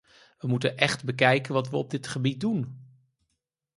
We moeten echt bekijken wat we op dit gebied doen.